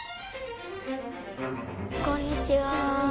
こんにちは。